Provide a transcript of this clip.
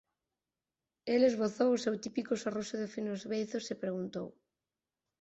El esbozou o seu típico sorriso de finos beizos e preguntou: